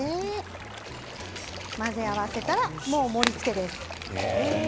混ぜ合わせたらもう盛りつけです。